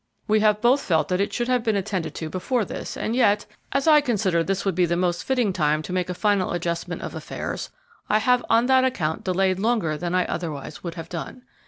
"We have both felt that it should have been attended to before this; and yet, as I considered this would be the most fitting time to make a final adjustment of affairs, I have on that account delayed longer than I otherwise would have done.